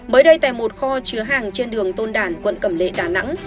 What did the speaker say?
mới đây tại một kho chứa hàng trên đường tôn đản quận cẩm lệ đà nẵng